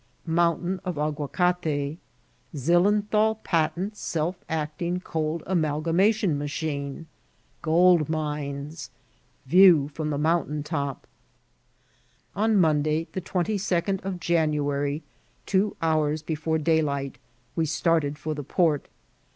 — Moontain of Agnacata.— <* Zillenthal Patent Self acting Cold Amalgamatinn Machine.'*— Gold Minea.— View fiOBi the Mountain Top. On Monday, the twenty second of January, two hours before daylight, we started for the port.